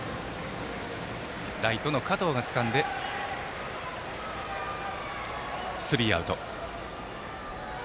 ライトの加藤がつかんでスリーアウト。